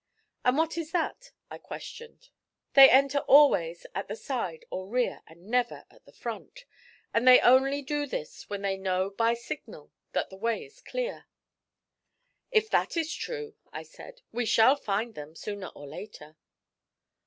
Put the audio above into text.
'And what is that?' I questioned. 'They enter always at the side or rear, and never at the front, and they only do this when they know, by signal, that the way is clear.' 'If that is true,' I said, 'we shall find them sooner or later.'